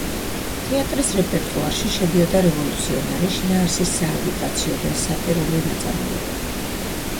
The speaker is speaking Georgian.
თეატრის რეპერტუარში შედიოდა რევოლუციური შინაარსის სააგიტაციო და სატირული ნაწარმოებები.